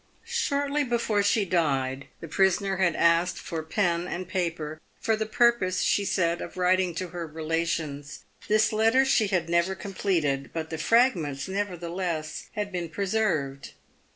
Shortly before she died, the prisoner had asked for pen and paper, for the purpose, she said, of writing to her relations. This letter she had never completed, but the fragments, nevertheless, had been preserved.